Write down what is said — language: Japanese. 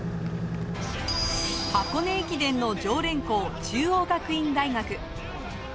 箱根駅伝の常連校、中央学院大学。